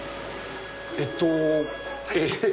えっとえ⁉